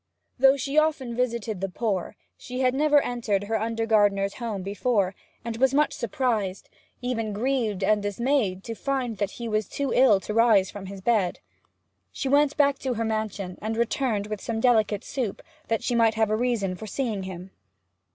Though she often visited the poor, she had never entered her under gardener's home before, and was much surprised even grieved and dismayed to find that he was too ill to rise from his bed. She went back to her mansion and returned with some delicate soup, that she might have a reason for seeing him.